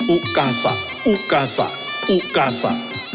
อุกาสะอุกาสะอุกาสะ